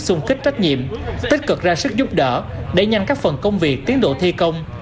xung kích trách nhiệm tích cực ra sức giúp đỡ đẩy nhanh các phần công việc tiến độ thi công